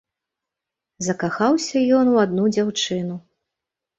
Закахаўся ён у адну дзяўчыну.